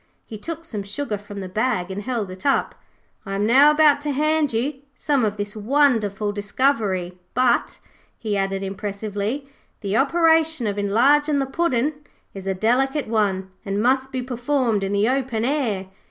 He took some sugar from the bag and held it up. 'I am now about to hand you some of this wonderful discovery. But,' he added impressively, 'the operation of enlarging the puddin' is a delicate one, and must be performed in the open air.